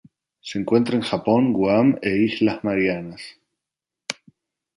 Se encuentra en Japón, Guam e Islas Marianas.